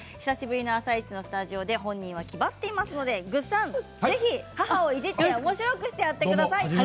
久しぶりの「あさイチ」のスタジオで本人は気張っておりますのでぐっさん、母をいじっておもしろくしてやってください。